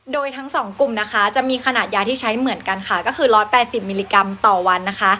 โดยทั้งสองกลุ่มนะคะจะมีขนาดยาที่ใช้เหมือนกันค่ะก็คือ๑๘๐มิลลิกรัมต่อวันนะคะ